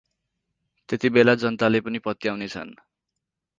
त्यतिबेला जनताले पनि पत्याउनेछन् ।